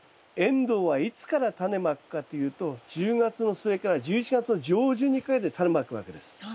エンドウはいつからタネまくかっていうと１０月の末から１１月の上旬にかけてタネまくわけです。